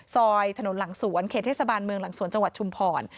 ซอยถนนหลังสวนเขตเทศบาลเมืองหลังสวนจังหวัดชุมพร